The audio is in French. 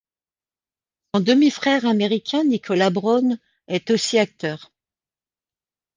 Son demi-frère américain Nicolas Braun est aussi acteur.